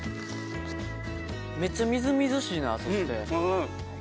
めっちゃみずみずしいなそして。